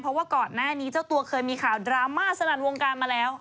เพราะว่าก่อนหน้านี้เจ้าตัวเคยมีข่าวดราม่าสลันวงการมาแล้ว